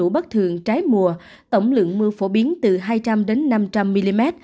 mưa lũ bất thường trái mùa tổng lượng mưa phổ biến từ hai trăm linh năm trăm linh mm